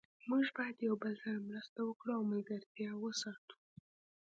موږ باید یو بل سره مرسته وکړو او ملګرتیا وساتو